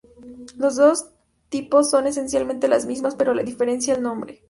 Los dos tipos son esencialmente las mismas, pero las diferencia el nombre.